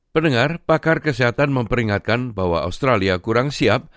pendengar pakar kesehatan memperingatkan bahwa australia kurang siap